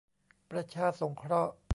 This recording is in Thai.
ประชาสงเคราะห์